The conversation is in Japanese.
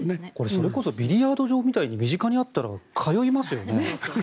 それこそビリヤード場みたいに身近にあったら通いますよね。